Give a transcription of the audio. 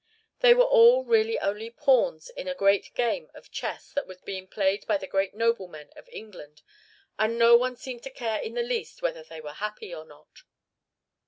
They were all really only pawns in a great game of chess that was being played by the great noblemen of England, and no one seemed to care in the least whether they were happy or not.